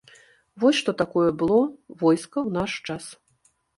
Вось што такое было войска ў наш час!